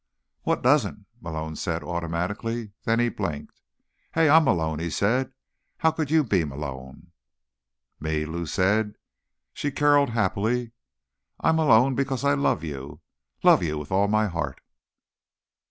"What doesn't?" Malone said automatically. Then he blinked. "Hey, I'm Malone!" he said. "How could you be Malone?" "Me?" Lou said. She caroled happily. "I'm Malone because I love you, love you with all my heart."